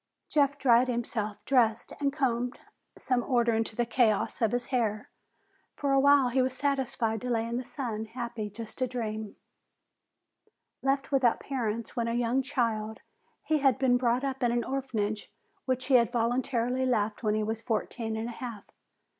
Jeff dried himself, dressed and combed some order into the chaos of his hair. For a while he was satisfied to lay in the sun, happy just to dream. Left without parents when a young child, he had been brought up in an orphanage which he had voluntarily left when he was fourteen and a half.